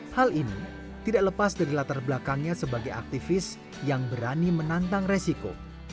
hal ini tidak lepas dari latar belakangnya sebagai aktivis yang berani menantang resiko